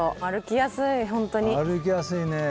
歩きやすいね。